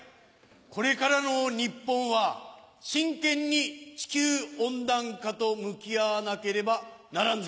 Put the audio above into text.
これからの日本は真剣に地球温暖化と向き合わなければならんぜよ。